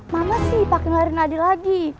mama sih pake ngelarin adik lagi